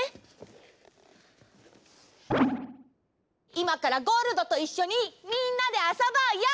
いまからゴールドといっしょにみんなであそぼうよ！